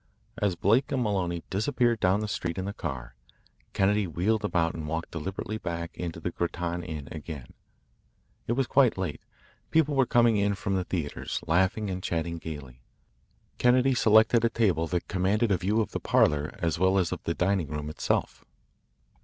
As Blake and Maloney disappeared down the street in the car, Kennedy wheeled about and walked deliberately back into the Grattan Inn again. It was quite late. People were coming in from the theatres, laughing and chatting gaily. Kennedy selected a table that commanded a view of the parlour as well as of the dining room itself.